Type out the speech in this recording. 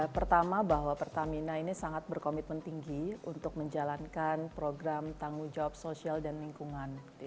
pertama bahwa pertamina ini sangat berkomitmen tinggi untuk menjalankan program tanggung jawab sosial dan lingkungan